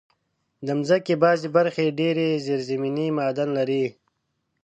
د مځکې بعضي برخې ډېر زېرزمینې معادن لري.